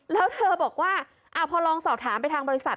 แล้วเธอบอกว่าพอลองสอบถามไปทางบริษัท